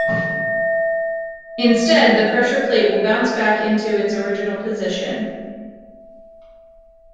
Instead the pressure plate will bounce back into its original position.